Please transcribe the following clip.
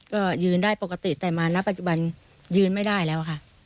ก็ยืนได้ปกติแต่มาณปัจจุบันยืนไม่ได้แล้วค่ะ